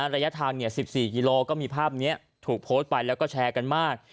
ระยะทาง๑๔กิโลก็มีภาพนี้ถูกโพสต์ไปแล้วก็แชร์กันมาก